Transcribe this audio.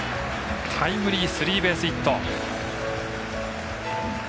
タイムリースリーベースヒット。